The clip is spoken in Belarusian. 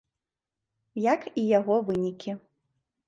Як і яго вынікі.